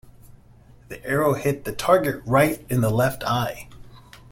The arrow hit the target right in the left eye.